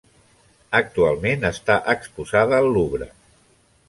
Actualment està exposada al Louvre.